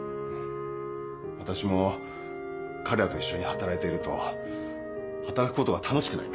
私も彼らと一緒に働いていると働くことが楽しくなりました。